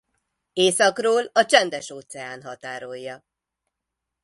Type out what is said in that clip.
Északról a Csendes-óceán határolja.